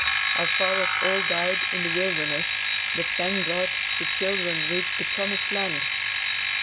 Our fathers all died in "the wilderness," but thank God, the children reached "the promised land."